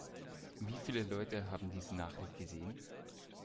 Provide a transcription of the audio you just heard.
Wie viele Leute haben diese Nachricht gesehen?